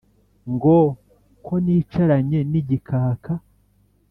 ngo: ko nicaranye n'igikaka